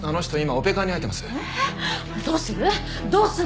どうする？